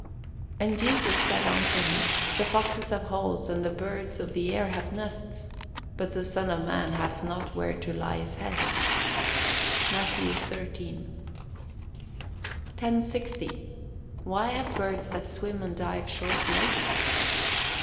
[Verse: "And Jesus saith unto him, The foxes have holes, and the birds of the air have nests; but the son of man hath not where to lay his head." MATTHEW XIII.] 1060. _Why have birds that swim and dive short legs?